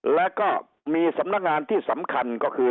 แล้วก็มีสำนักงานที่สำคัญก็คือ